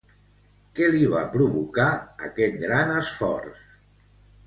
Què li va provocar aquest gran esforç?